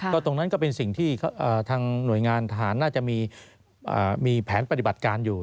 ตรงนั้นก็เป็นสิ่งที่ทางหน่วยงานทหารน่าจะมีแผนปฏิบัติการอยู่